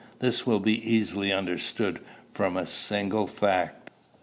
This will be easily understood from a single fact.